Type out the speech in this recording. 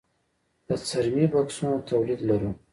د څرمي بکسونو تولید لرو؟